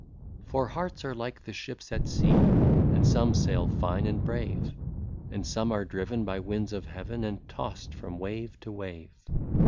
For hearts are like the ships at sea, And some sail fine and brave ;' And some are driven by winds of heaven And tossed from wave to wave.